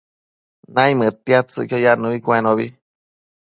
naimëdtiadtsëcquio yannubi cuenobi